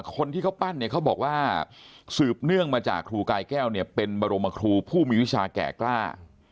คนที่เขาปั้นเนี่ยเขาบอกว่าสืบเนื่องมาจากครูกายแก้วเนี่ยเป็นบรมครูผู้มีวิชาแก่กล้า